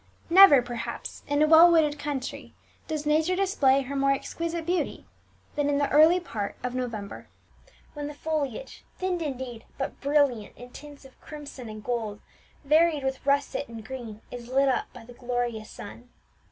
Never, perhaps, in a well wooded country, does Nature display more exquisite beauty than in the early part of November, when the foliage, thinned indeed, but brilliant in tints of crimson and gold, varied with russet and green, is lit up by the glorious sun.